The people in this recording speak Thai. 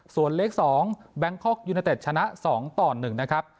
ส่วนเลข๒แบงคอกยูเนเต็ดชนะ๒ต่อ๑นะครับ